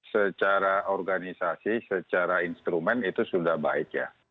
secara organisasi secara instrumen itu sudah baik ya